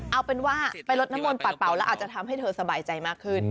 เอาเป็นว่าไปลดน้ำมนตัดเป่าแล้วอาจจะทำให้เธอสบายใจมากขึ้น